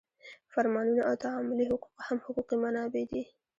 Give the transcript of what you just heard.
فرمانونه او تعاملي حقوق هم حقوقي منابع دي.